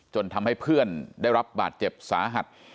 จนทำให้เพื่อนได้รับบาดเจ็บสาหัส